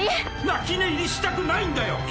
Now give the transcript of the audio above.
泣き寝入りしたくないんだよ！